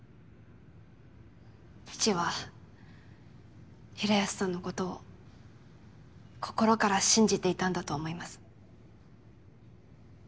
父は平安さんのことを心から信じていたんだと思います。